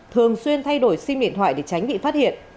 thường xuyên thay đổi sim điện thoại để tránh bị phát hiện